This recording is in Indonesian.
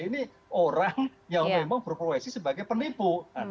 ini orang yang memang berprofesi sebagai penipu